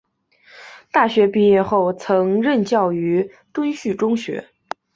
大学毕业后曾任教于敦叙中学。